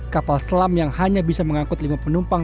kapal selam yang hanya bisa mengangkut lima penumpang